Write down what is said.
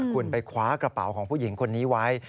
คุณไปคว้ากระเป๋าของผู้หญิงคนนี้ไว้